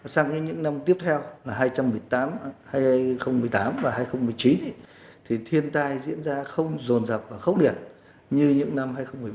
sang những năm tiếp theo hai nghìn một mươi tám và hai nghìn một mươi chín thì thiên tai diễn ra không rồn rập và khốc liệt như những năm hai nghìn một mươi bảy hai nghìn một mươi sáu